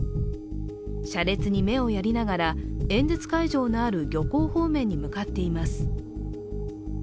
車列に目をやりながら演説会場のある漁港方面に向かっています。